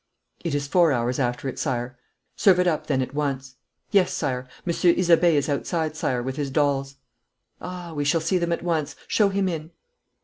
'It is four hours after it, Sire.' 'Serve it up then at once.' 'Yes, Sire. Monsieur Isabey is outside, Sire, with his dolls.' 'Ah, we shall see them at once. Show him in.'